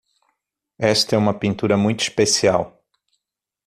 Esta é uma pintura muito especial